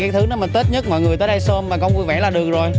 cái thứ nó mà tết nhất mọi người tới đây xôn mà con vui vẻ là được rồi